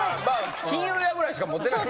金融屋ぐらいしか持ってないか。